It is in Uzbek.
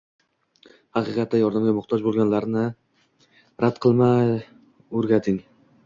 Haqiqatda yordamga muhtoj bo‘lganlarni rad qilma o'rgating.